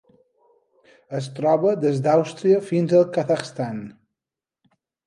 Es troba des d'Àustria fins al Kazakhstan.